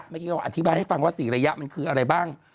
เมื่อกี้เราอธิบายให้ฟังว่า๔ระยะมันคืออะไรบ้าง